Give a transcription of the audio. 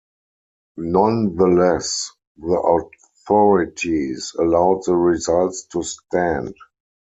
Nonetheless, the authorities allowed the results to stand.